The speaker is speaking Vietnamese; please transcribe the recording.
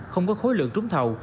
không có khối lượng trúng thầu